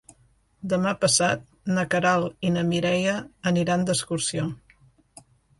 Demà passat na Queralt i na Mireia aniran d'excursió.